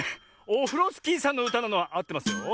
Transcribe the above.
オフロスキーさんのうたなのはあってますよ。